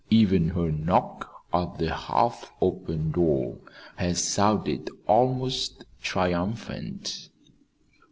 Even her knock at the half open door had sounded almost triumphant.